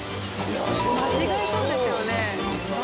間違えそうですよね。